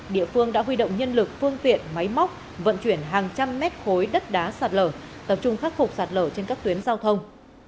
địa phương đã huy động nhân lực phương tiện máy móc vận chuyển hàng trăm mét khối đất đá sạt lở tập trung khắc phục sạt lở trên các tuyến giao thông